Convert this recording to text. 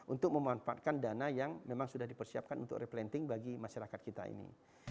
untuk memanfaatkan dana yang memang sudah dipersiapkan untuk replanting bagi masyarakat kita ini